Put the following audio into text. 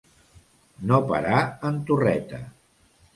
No parar en torreta.